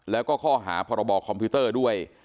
และข้อหาพคป็ดด้วย